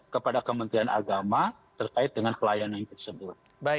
kepada kementerian agama terkait dengan layanan tersebut